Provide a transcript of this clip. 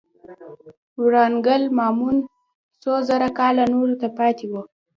ورانګل ماموتان څو زره کاله نورو ته پاتې وو.